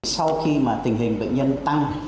sau khi mà tình hình bệnh nhân tăng